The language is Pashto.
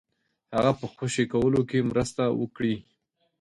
هغه په خوشي کولو کې مرسته وکړي.